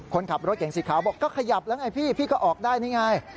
คนขับรถเก่งสีขาวบอกก็ขยับแล้วไงพี่พี่ก็ออกได้นี่ไง